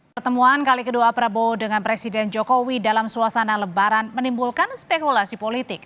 pertemuan kali kedua prabowo dengan presiden jokowi dalam suasana lebaran menimbulkan spekulasi politik